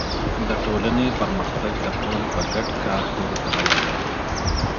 د ټولني پرمختګ د ټولو په ګډ کار پورې تړلی دی.